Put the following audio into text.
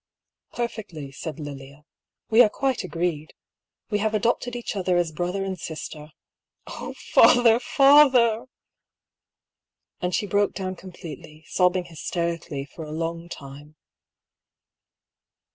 " Perfectly," said Lilia. " We are quite agreed — we have adopted each other as brother and sister — oh, father, father !" And she broke down completely, sobbing hysteric ally for a long time.